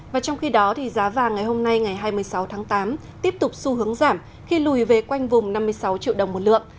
và trong khi đó giá vàng ngày hôm nay ngày hai mươi sáu tháng tám tiếp tục xu hướng giảm khi lùi về quanh vùng năm mươi sáu triệu đồng một lượng